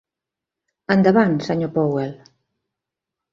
Endavant, senyor Powell.